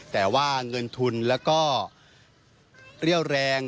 แต่ว่าเงินทุนแล้วก็เรี่ยวแรง